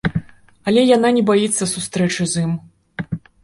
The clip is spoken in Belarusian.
Але яна не баіцца сустрэчы з ім.